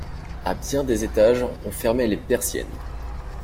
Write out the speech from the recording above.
A bien des étages on fermait les persiennes.